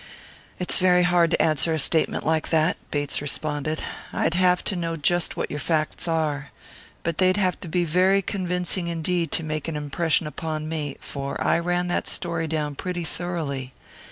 "It's very hard to answer a statement like that," Bates responded. "I'd have to know just what your facts are. But they'd have to be very convincing indeed to make an impression upon me, for I ran that story down pretty thoroughly.